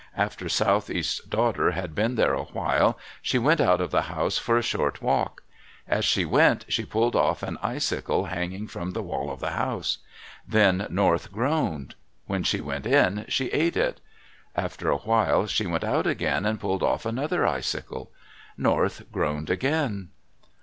After Southeast's daughter had been there a while, she went out of the house for a short walk. As she went, she pulled off an icicle hanging from the wall of the house. Then North groaned. When she went in, she ate it. After a while she went out again, and pulled off another icicle. North groaned again.